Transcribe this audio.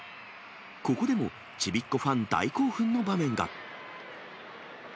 ここでもちびっ子ファン大興奮の場面が。